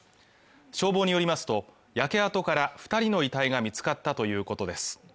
消防によりますと焼け跡から二人の遺体が見つかったということです